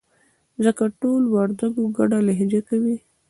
ځکه ټول د وردگو گډه لهجه کوي.